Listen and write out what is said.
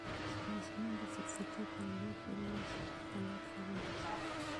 ماشومان د فزیکي فعالیت پر وخت خوله کوي.